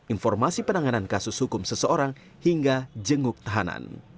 informasi penanganan kasus hukum seseorang hingga jenguk tahanan